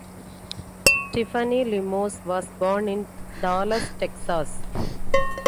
Tiffany Limos was born in Dallas, Texas.